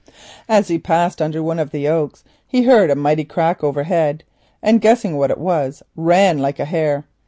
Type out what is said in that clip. As he passed under one of the oaks he heard a mighty crack overhead, and guessing what it was ran like a hare.